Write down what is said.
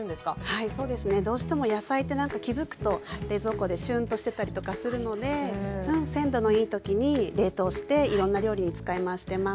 はいそうですね。どうしても野菜ってなんか気付くと冷蔵庫でシュンとしてたりとかするので鮮度のいい時に冷凍していろんな料理に使い回してます。